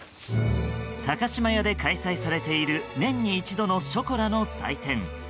高島屋で開催されている年に一度のショコラの祭典。